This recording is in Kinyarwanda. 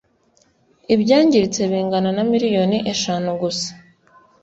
Ibyangiritse bingana na miliyoni eshanu gusa